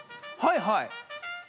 はいはい。